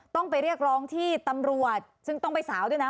ต้องไปเรียกร้องที่ตำรวจซึ่งต้องไปสาวด้วยนะ